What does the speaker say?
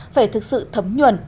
phải thực sự thấm nhuần